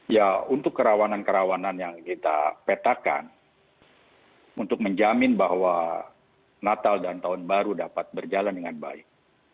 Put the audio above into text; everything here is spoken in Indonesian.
ya untuk kerawanan kerawanan yang kita petakan untuk menjamin bahwa natal dan tahun baru dapat berjalan dengan baik